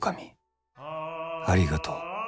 ありがとう。